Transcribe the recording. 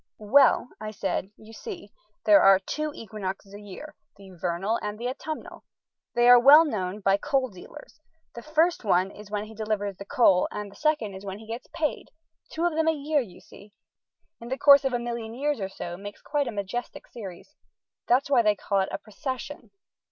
"Well," I said, "you see, there are two equinoxes a year, the vernal and the autumnal. They are well known by coal dealers. The first one is when he delivers the coal and the second is when he gets paid. Two of them a year, you see, in the course of a million years or so, makes quite a majestic series. That is why they call it a procession."